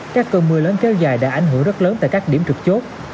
các cơn mưa lớn kéo dài đã ảnh hưởng rất lớn tại các điểm trực chốt